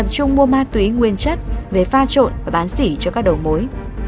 chúng mua ma tí nguyên chất về pha trộn và bán xỉ cho các đầu mối